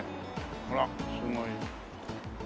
ほらすごい。